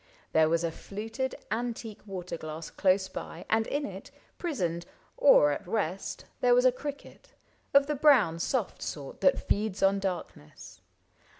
There was a fluted antique water glass Close by, and in it, prisoned, or at rest. There was a cricket, of the brown soft sort That feeds on darkness.